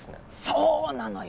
そうなのよ。